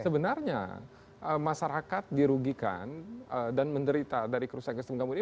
sebenarnya masyarakat dirugikan dan menderita dari kerusakan sistem gambut ini